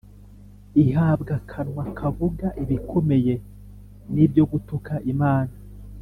Ihabwa akanwa kavuga ibikomeye n’ibyo gutuka Imana,